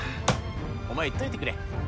お前、言っといてくれ。